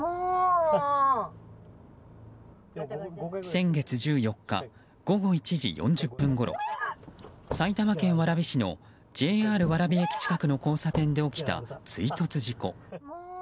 先月１４日午後１時４０分ごろ埼玉県蕨市のＪＲ蕨駅近くの交差点で起きた追突事故。